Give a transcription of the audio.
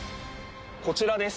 こちらです。